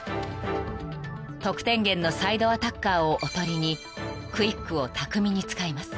［得点源のサイドアタッカーをおとりにクイックを巧みに使います］